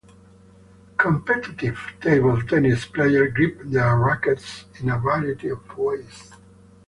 Competitive table tennis players grip their rackets in a variety of ways.